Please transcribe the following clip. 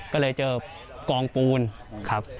ก็เลยเจอกองปูนครับ